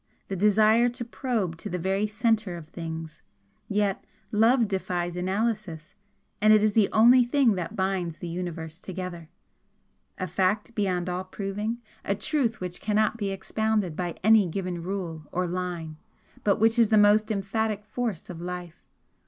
the desire to probe to the very centre of things! Yet love defies analysis, and is the only thing that binds the Universe together. A fact beyond all proving a truth which cannot be expounded by any given rule or line but which is the most emphatic force of life!